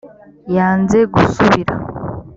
yanze gusubira